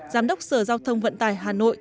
giám đốc sở giao thông vận tài hà nội